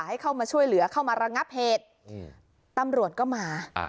ให้เข้ามาช่วยเหลือเข้ามาระงับเหตุอืมตำรวจก็มา